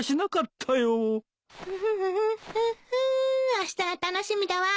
あしたが楽しみだわー。